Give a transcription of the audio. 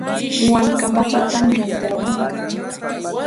Walka papallatam rantirquu.